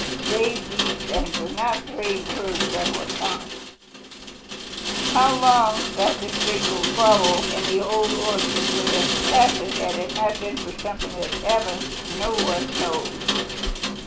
Brave deeds and not brave words are what count. How long that disgraceful squabble in the Old Orchard would have lasted had it not been for something which happened, no one knows.